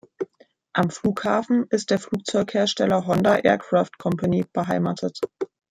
Am Flughafen ist der Flugzeughersteller Honda Aircraft Company beheimatet.